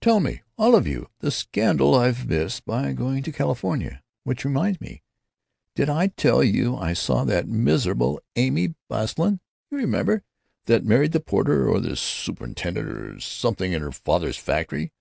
Tell me, all of you, the scandal I've missed by going to California. Which reminds me; did I tell you I saw that miserable Amy Baslin, you remember, that married the porter or the superintendent or something in her father's factory?